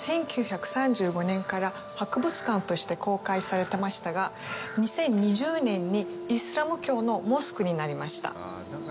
１９３５年から博物館として公開されてましたが、２０２０年にイスラム教のモスクになりました。